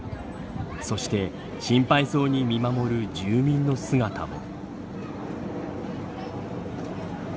そして心配そうに見守る住民の姿も。